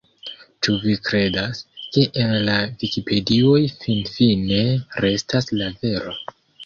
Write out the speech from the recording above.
Ĉu vi kredas, ke en la vikipedioj finfine restas la vero?